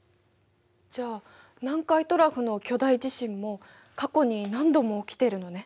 じゃあ南海トラフの巨大地震も過去に何度も起きてるのね？